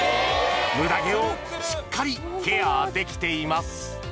ムダ毛をしっかりケアできています